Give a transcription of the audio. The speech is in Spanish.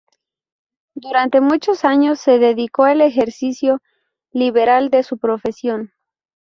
Durante muchos años se dedicó al ejercicio liberal de su profesión.